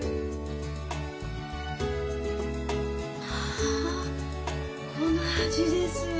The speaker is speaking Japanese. あこの味です。